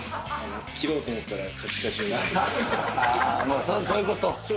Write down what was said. あそういうこと。